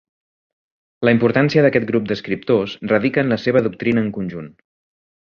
La importància d'aquest grup d'escriptors radica en la seva doctrina en conjunt.